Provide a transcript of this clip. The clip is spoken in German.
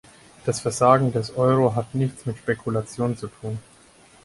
Das Versagen des Euro hat nichts mit Spekulation zu tun.